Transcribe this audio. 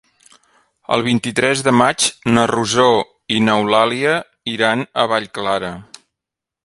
El vint-i-tres de maig na Rosó i n'Eulàlia iran a Vallclara.